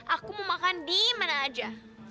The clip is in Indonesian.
aku mau makan di mana aja